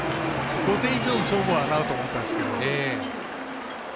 ５点以上の勝負にはなると思ったんですけど。